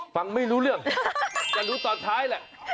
ฟังไม่รู้เรื่องจะรู้ตอนท้ายแหละ